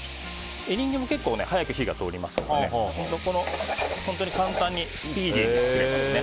エリンギも結構早く火が通りますので本当に簡単にスピーディーに。